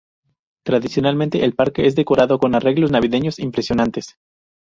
Tradicionalmente, el parque es decorado con arreglos navideños impresionantes.